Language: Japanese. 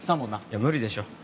いや無理でしょ